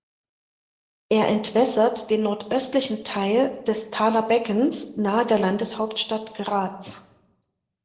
Er entwässert den nordöstlichen Teil des Thaler Beckens nahe der Landeshauptstadt Graz.